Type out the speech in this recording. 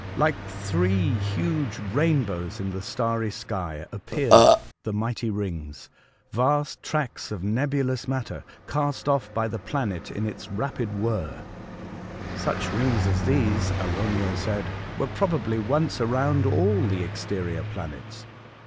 Like three huge rainbows in the starry sky appeared the mighty rings — vast tracks of nebulous matter cast off by the planet in its rapid whirl. '' Such rings as these,'* Arauniel said, '' were probably once around all the exterior planets.